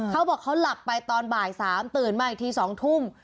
เขาบอกเขาหลับไปตอนบ่าย๓ตื่นมาอีกที๒ทุ่ม